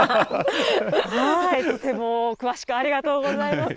とても詳しくありがとうございます。